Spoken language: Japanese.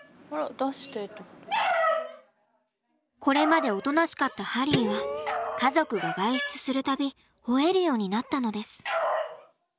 これまでおとなしかったハリーは家族が外出する度吠えるようになったのです。